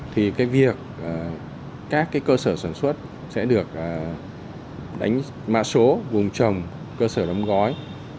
thì việc các cơ sở sản xuất sẽ được đánh mạ số vùng trầm cơ sở đóng gói